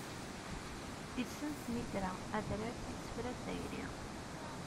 Issen snitra, adrar, isefra d tayri.